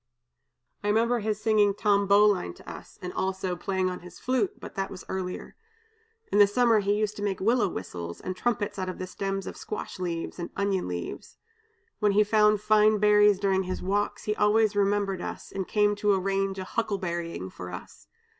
"I remember his singing 'Tom Bowline' to us, and also playing on his flute, but that was earlier. In the summer he used to make willow whistles, and trumpets out of the stems of squash leaves, and onion leaves. When he found fine berries during his walks, he always remembered us, and came to arrange a huckleberrying for us.